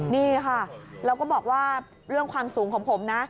นี่ค่ะแล้วก็บอกว่าเรื่องความสูงของผมนะ